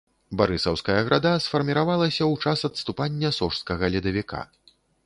Барысаўская града сфарміравалася ў час адступання сожскага ледавіка.